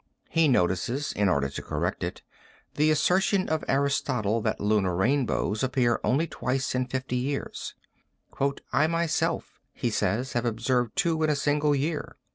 He notices, in order to correct it, the assertion of Aristotle that lunar rainbows appear only twice in fifty years; 'I myself,' he says have observed two in a single year.'